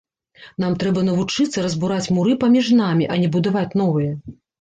Нам трэба навучыцца разбураць муры паміж намі, а не будаваць новыя.